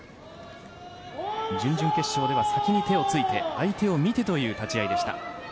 準々決勝では先に手をついて相手を見てという立ち合いでした。